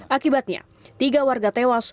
akibatnya tiga warga tewas